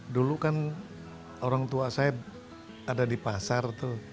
dulu kan orang tua saya ada di pasar tuh